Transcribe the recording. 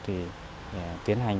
thì tiến hành